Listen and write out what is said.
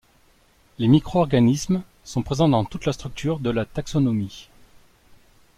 Les micro-organismes sont présents dans toute la structure de la taxonomie.